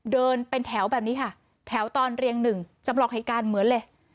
เดินเป็นแถวแบบนี้ค่ะแถวตอนเรียงหนึ่งจำลองเหตุการณ์เหมือนเลย